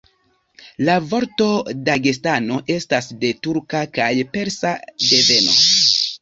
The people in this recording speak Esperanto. La vorto Dagestano estas de turka kaj persa deveno.